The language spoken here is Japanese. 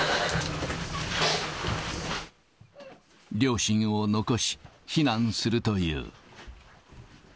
両親を残し、避難するという。